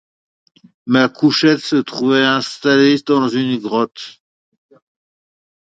Ma couchette se trouvait installé dans une grotte.